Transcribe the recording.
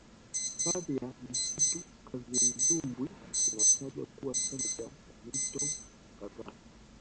hifadhi ya msitu kazimzumbwi inatajwa kuwa chanzo cha mito kadhaa